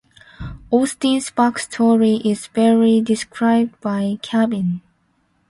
Austin's backstory is barely described by Caidin.